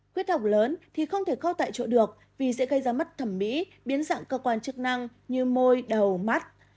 khuyết hồng lớn thì không thể khâu tại chỗ được vì sẽ gây ra mất thẩm mỹ biến dạng cơ quan chức năng như môi đầu mắt